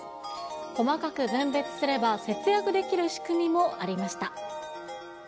細かく分別すれば節約できる仕組みもありました。